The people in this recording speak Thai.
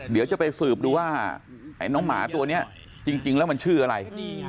เดี๋ยวจะไปสืบดูว่าไอ้น้องหมาตัวนี้จริงแล้วมันชื่ออะไร